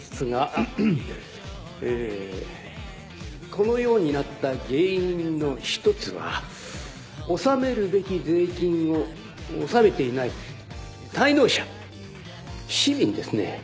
このようになった原因の１つは納めるべき税金を納めていない滞納者市民ですね。